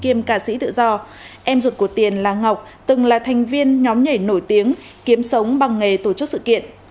em ruột của tiền là ngọc từng là thành viên nhóm nhảy nổi tiếng kiếm sống bằng nghề tổ chức sự kiện